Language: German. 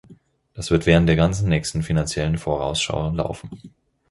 Das wird während der ganzen nächsten finanziellen Vorausschau laufen.